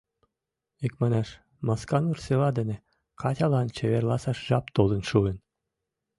Икманаш, Масканур села дене Катялан чеверласаш жап толын шуын.